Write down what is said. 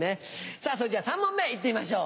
さぁそれじゃ３問目行ってみましょう。